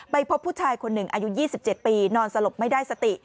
พบผู้ชายคนหนึ่งอายุ๒๗ปีนอนสลบไม่ได้สติ